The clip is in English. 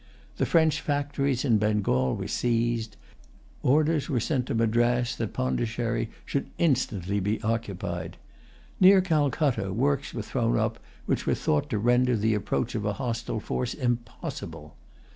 The French factories in Bengal were seized. Orders were sent to Madras that Pondicherry should instantly be occupied. Near Calcutta, works were thrown up which were thought to render the approach of a hostile force impossible.